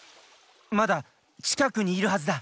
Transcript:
まだちかくにいるはずだ！